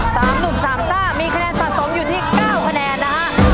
สามหนุ่มสามซ่ามีคะแนนสะสมอยู่ที่เก้าคะแนนนะฮะ